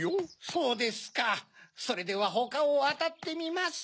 そうですかそれではほかをあたってみます。